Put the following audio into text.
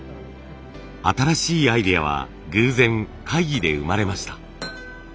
新しいアイデアは偶然会議で生まれました。